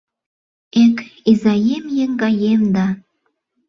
Эк, изаем-еҥгаем да